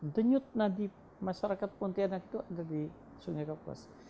denyut nadib masyarakat pontianak itu ada di sungai kapuas